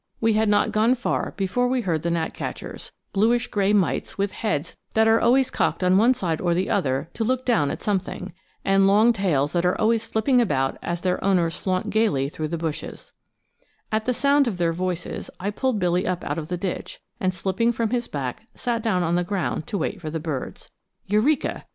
] We had not gone far before we heard the gnatcatchers, bluish gray mites with heads that are always cocked on one side or the other to look down at something, and long tails that are always flipping about as their owners flaunt gayly through the bushes: At sound of their voices I pulled Billy up out of the ditch, and, slipping from his back, sat down on the ground to wait for the birds. Eureka!